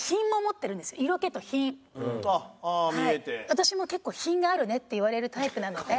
私も結構品があるねって言われるタイプなので。